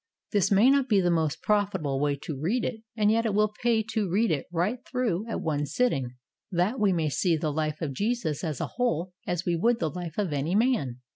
This may not be the most profit able way to read it, and yet it will pay to read it right through at one sitting, that we may see the life of Jesus as a whole as we would the life of any man.